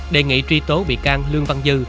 đề nghị truy tố bị can lương văn dư